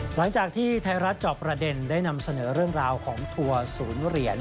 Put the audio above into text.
หลังจากที่ไทยรัฐจอบประเด็นได้นำเสนอเรื่องราวของทัวร์ศูนย์เหรียญ